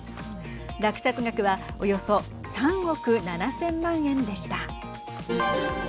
落札額はおよそ３億７０００万円でした。